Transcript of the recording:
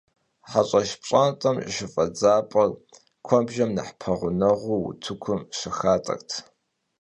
Heş'eş pş'ant'em şşıf'edzap'er kuebjjem nexh peğuneğuu vutıkum şıxat'ert